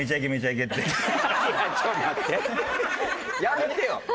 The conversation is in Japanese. やめてよ！